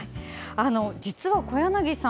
実は、小柳さん